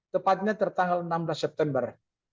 tepatnya tertanggal enam belas september